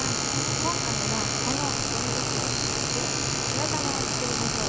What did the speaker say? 今回はこのポリ袋を使って白玉を作りましょう。